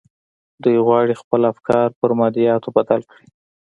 دوی غواړي خپل افکار پر مادياتو بدل کړي.